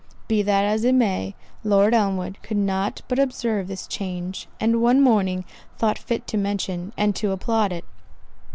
Be that as it may, Lord Elmwood could not but observe this change, and one morning thought fit to mention, and to applaud it.